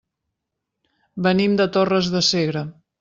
Venim de Torres de Segre.